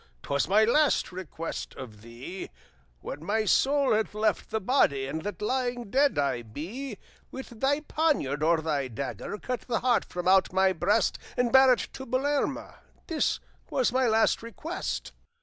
'T was my last request of thee, When my soul hath left the body, And that lying dead I be, With thy poniard or thy dagger Cut the heart from out my breast, And bear it to Belerma. This was my last request."